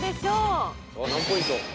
さあ何ポイント？